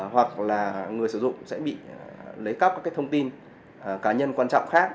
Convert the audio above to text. hoặc là người sử dụng sẽ bị lấy cắp các cái thông tin cá nhân quan trọng khác